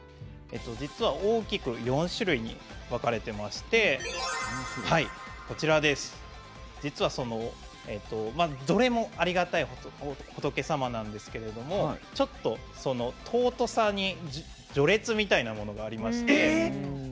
実は大きく４種類に分かれていまして実はどれもありがたい仏様なんですけどもちょっと尊さに序列みたいなものがありまして。